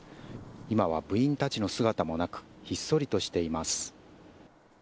今は部員たちの姿もなく、ひっそりとしています。